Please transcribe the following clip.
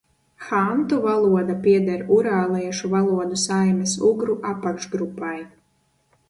Hantu valoda pieder urāliešu valodu saimes ugru apakšgrupai.